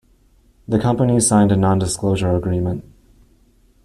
The companies signed a non-disclosure agreement.